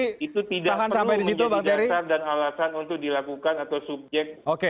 itu tidak perlu menjadi dasar dan alasan untuk dilakukan atau subjek